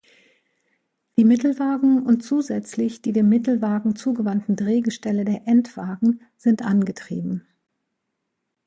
Die Mittelwagen und zusätzlich die dem Mittelwagen zugewandten Drehgestelle der Endwagen sind angetrieben.